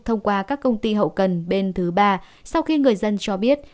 thông qua các công ty hậu cần bên thứ ba sau khi người dân cho biết